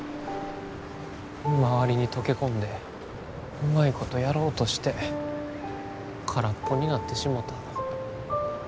周りに溶け込んでうまいことやろうとして空っぽになってしもた。